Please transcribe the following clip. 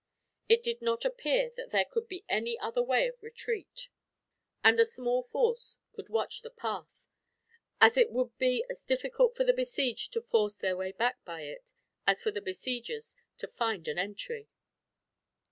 It did not appear that there could be any other way of retreat, and a small force could watch the path; as it would be as difficult for the besieged to force their way back by it, as for the besiegers to find an entry.